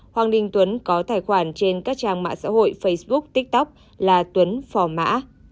hoàng đình tuấn có tài khoản trên các trang mạng xã hội facebook tiktok là tuấn phò mã